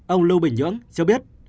ông lưu bình nhưỡng cho biết